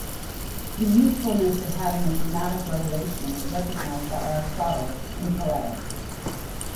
The usefulness of having a dramatic revelation was recognized by Aristotle, in "Poetics".